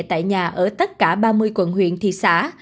tại nhà ở tất cả ba mươi quận huyện thị xã